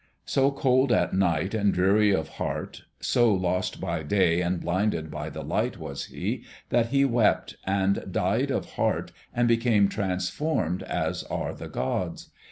So cold at night and dreary of heart, so lost by day and blinded by the light was he that he wept, and died of heart and became transformed as are the gods.